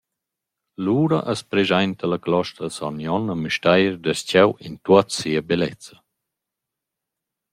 Lura as preschainta la Clostra Son Jon a Müstair darcheu in tuot sia bellezza.